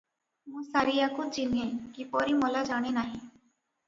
"ମୁଁ ସାରିଆକୁ ଚିହ୍ନେ, କିପରି ମଲା ଜାଣେ ନାହିଁ ।